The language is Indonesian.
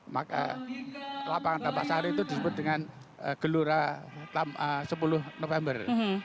maka lapangan tampak sari itu disebut dengan gelora sepuluh november